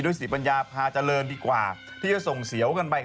ศรีปัญญาพาเจริญดีกว่าที่จะส่งเสียวกันไป